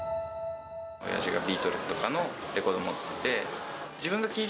おやじがビートルズとかのレコードを持っていて。